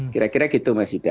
kira kira gitu mas ida